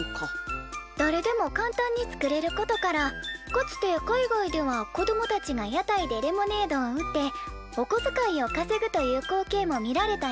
だれでも簡単に作れることからかつて海外では子供たちが屋台でレモネードを売っておこづかいをかせぐという光景も見られたようです。